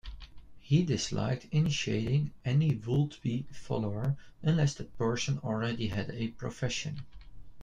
He disliked initiating any would-be follower unless that person already had a profession.